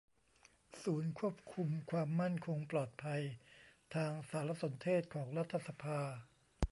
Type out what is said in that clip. ศูนย์ควบคุมความมั่นคงปลอดภัยทางสารสนเทศของรัฐสภา